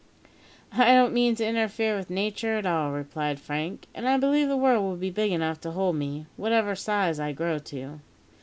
"I don't mean to interfere with Nature at all," replied Frank; "and I believe the world will be big enough to hold me, whatever size I grow to."